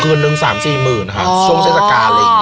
คืนหนึ่งสามสี่หมื่นค่ะช่วงเชฟสการอะไรอย่างเงี้ย